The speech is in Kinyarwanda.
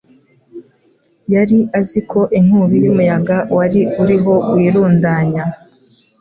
Yari azi ko inkubi y’umuyaga wari uriho wirundanya